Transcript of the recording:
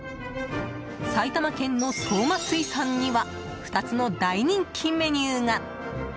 埼玉県の、そうま水産には２つの大人気メニューが。